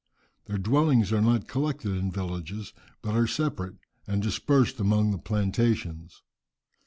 Their dwellings are not collected in villages, but are separate and dispersed among the plantations.